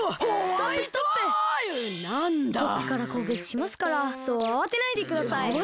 こっちからこうげきしますからそうあわてないでください。